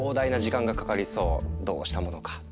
どうしたものか？